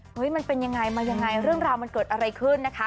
เฮ้ยมันเป็นอย่างไรมาอย่างไรเรื่องราวมันเกิดอะไรขึ้นนะคะ